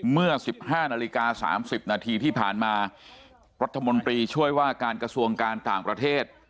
เมื่อ๑๕นาฬิกา๓๐นาทีที่ผ่านมารัฐมนตรีช่วยว่าการกระทรวงการต่างประเทศ